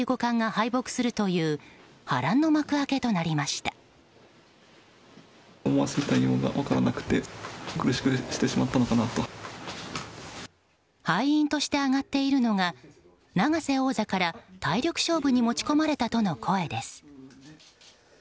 敗因として挙がっているのが永瀬王座から体力勝負に持ち込まれたとの声です。